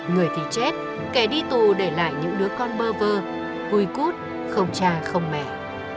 người thì chết kẻ đi tù để lại những đứa con bơ vơ hùi cút không cha không mẹ